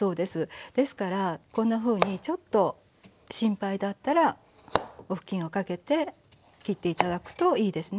ですからこんなふうにちょっと心配だったらお布巾をかけて切って頂くといいですね。